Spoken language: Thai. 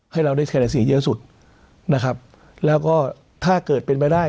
ให้เราได้คะแนนเสียงเยอะสุดนะครับแล้วก็ถ้าเกิดเป็นไปได้